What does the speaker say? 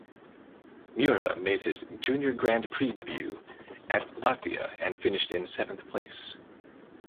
Miura made his Junior Grand Prix debut at Latvia and finished in seventh place.